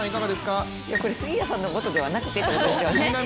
これ、杉谷さんのことはなくてということですよね。